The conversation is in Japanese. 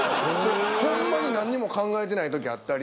ほんまに何にも考えてない時あったり。